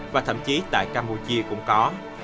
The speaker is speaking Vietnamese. và thậm chí tại campuchia cũng có